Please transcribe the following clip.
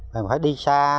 mình phải đi xa